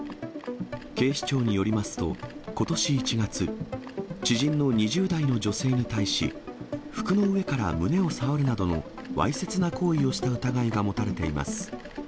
警視庁によりますと、ことし１月、知人の２０代の女性に対し、服の上から胸を触るなどのわいせつな行為をした疑いが持たれています。